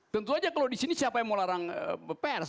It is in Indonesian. tentu saja kalau di sini siapa yang mau larang pers